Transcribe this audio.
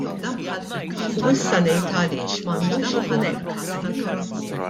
U issa ngħid għaliex m'għandux ikun hekk.